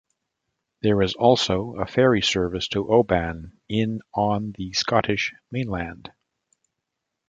There is also a ferry service to Oban in on the Scottish mainland.